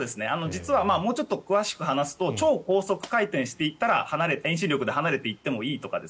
実はもうちょっと詳しく話すと超高速回転していったら遠心力で離れていってもいいとか